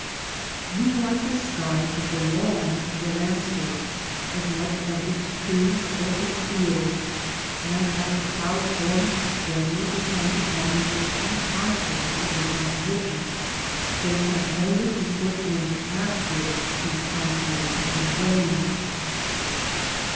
You want the sky to belong to the landscape as much as its trees or its"^lfields, anii as the cloiid* forms greatly depend upon the existing contours of your composition, they can only be put in after these contours have been arranged.